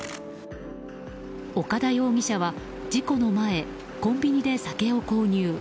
岡田容疑者は、事故の前コンビニで酒を購入。